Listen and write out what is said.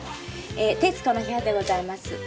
『徹子の部屋』でございます。